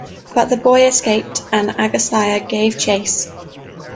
But the boy escaped and Agasthya gave chase.